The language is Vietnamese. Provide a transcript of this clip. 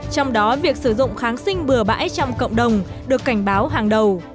trong đó việc sử dụng kháng sinh bừa bãi trong cộng đồng được cảnh báo hàng đầu